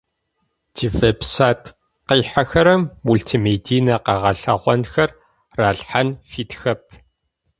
Тивеб-сайт къихьэхэрэм мултимедийнэ къэгъэлъэгъонхэр ралъхьан фитхэп.